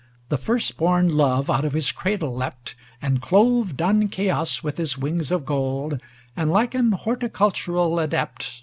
The first born Love out of his cradle leapt. And clove dun Chaos with his wings of gold, And like a horticultural adept.